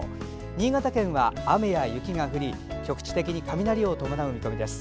新潟県は雨や雪が降り局地的に雷を伴う見込みです。